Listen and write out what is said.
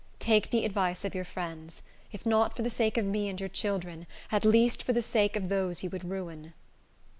Take the advice of your friends; if not for the sake of me and your children, at least for the sake of those you would ruin."